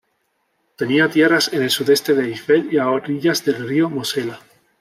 Tenía tierras en el sudeste de Eifel y a orillas del río Mosela.